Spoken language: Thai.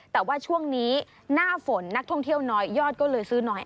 แต่ว่าช่วงนี้หน้าฝนนักท่องเที่ยวน้อยยอดก็เลยซื้อน้อย